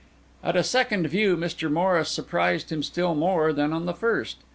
At a second view Mr. Morris surprised him still more than on the first.